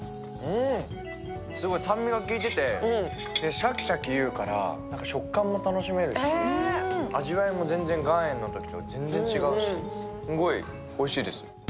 すごい酸味が効いててシャキシャキいうから食感も楽しめるし、味わいも岩塩のときと全然違うし、すごいおいしいです。